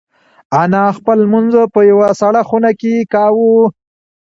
انا خپل لمونځ په یوه سړه خونه کې کاوه.